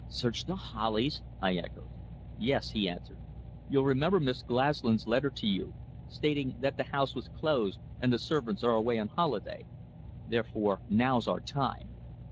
"Search the Hollies?" I echoed. "Yes," he answered. "You'll remember Miss Glaslyn's letter to you, stating that the house was closed and the servants are away on holiday. Therefore, now's our time.